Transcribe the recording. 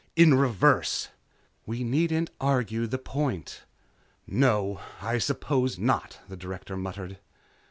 In reverse." "We needn't argue the point." "No, I suppose not," the Director muttered.